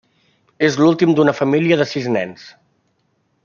És l'últim d'una família de sis nens.